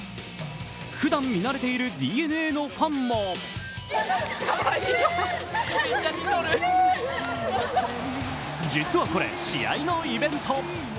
ふだん見慣れているＤｅＮＡのファンも実はこれ、試合のイベント。